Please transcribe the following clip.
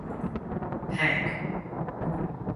Pank.